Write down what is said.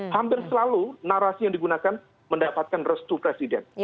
hampir selalu narasi yang digunakan mendapatkan restu presiden